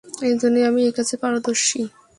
এজন্যই আমি একাজে পারদর্শী।